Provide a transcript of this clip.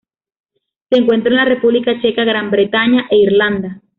Se encuentra en la República Checa, Gran Bretaña, e Irlanda.